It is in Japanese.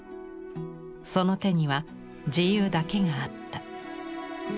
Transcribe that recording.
その手には自由だけがあった。